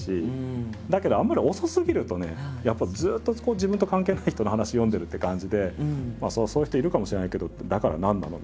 だけどあんまり遅すぎるとねやっぱずっと自分と関係ない人の話読んでるって感じで「そういう人いるかもしれないけどだから何なの？」